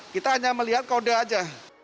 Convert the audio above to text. kita hanya melihat kode aja